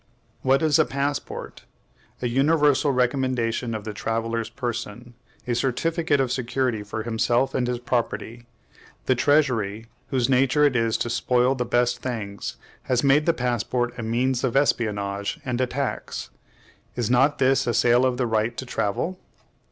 What is a passport? A universal recommendation of the traveller's person; a certificate of security for himself and his property. The treasury, whose nature it is to spoil the best things, has made the passport a means of espionage and a tax. Is not this a sale of the right to travel?